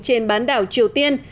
trên bán đảo triều tiên